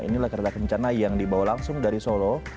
inilah kereta kencana yang dibawa langsung dari solo